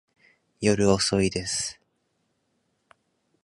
夜遅いです。